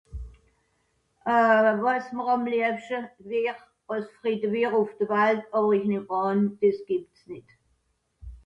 frede uf de walt